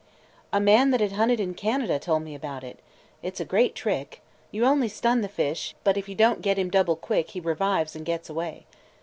"A man that had hunted in Canada told me about it. It 's a great trick. You only stun the fish, but if you don't get him double quick he revives and gets away.